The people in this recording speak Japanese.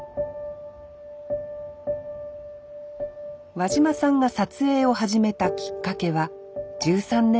和嶋さんが撮影を始めたきっかけは１３年前。